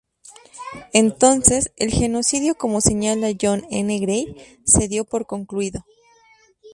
Entonces, el genocidio, como señala John N. Gray, se dio por concluido.